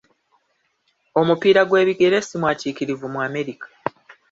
Omupiira gw'ebigere simwatiikirivu mu Amerka.